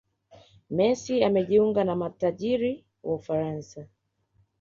messi amejiunga na matajiri wa ufaransa